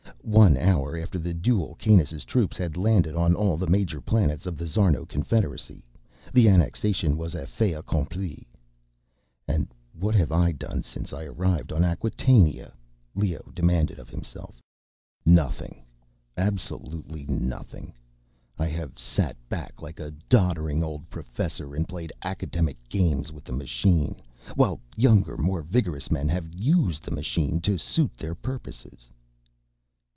One hour after the duel, Kanus' troops had landed on all the major planets of the Szarno Confederacy; the annexation was a fait accompli. And what have I done since I arrived on Acquatainia? Leoh demanded of himself. _Nothing. Absolutely nothing. I have sat back like a doddering old professor and played academic games with the machine, while younger, more vigorous men have USED the machine to suit their purposes.